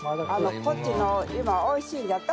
こっちの今美味しいんじゃと。